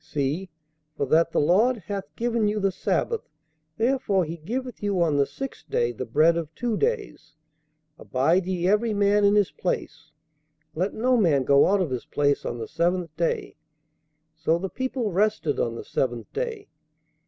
See, for that the Lord hath given you the sabbath, therefore he giveth you on the sixth day the bread of two days; abide ye every man in his place, let no man go out of his place on the seventh day. So the people rested on the seventh day.'